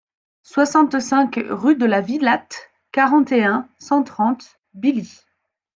soixante-cinq rue de la Vilatte, quarante et un, cent trente, Billy